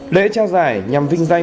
lễ trao giải nhằm vinh danh